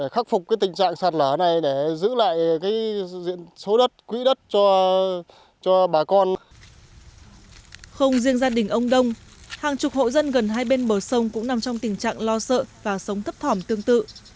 không riêng gia đình ông đông hàng chục hộ dân gần hai bên bờ sông cũng nằm trong tình trạng lo sợ và sống thấp thỏm tương tự